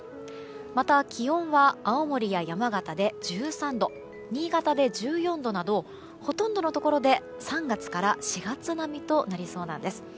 また、気温は青森や山形で１３度新潟で１４度などほとんどのところで３月から４月並みとなりそうなんです。